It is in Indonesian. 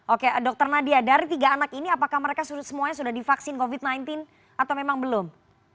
oke dr nadia dari tiga anak ini apakah mereka semuanya sudah divaksin covid sembilan belas atau memang belum